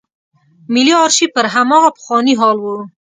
ملي آرشیف پر هماغه پخواني حال و.